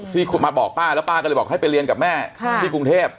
ที่มาบอกป้าแล้วป้าก็เลยบอกให้ไปเรียนกับแม่ที่กรุงเทพ